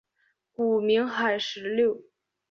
古名海石榴。